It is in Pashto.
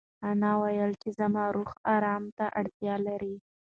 انا وویل چې زما روح ارام ته اړتیا لري.